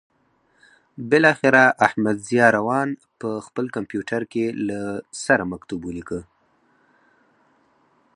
بالاخره احمدضیاء روان په خپل کمپیوټر کې له سره مکتوب ولیکه.